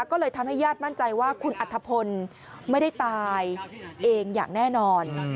ก็เลยทำให้ญาติมั่นใจว่าคุณอัธพลไม่ได้ตายเองอย่างแน่นอน